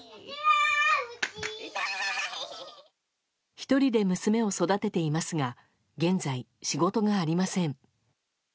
１人で娘を育てていますが現在、仕事がありません。